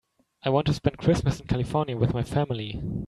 I want to spend Christmas in California with my family.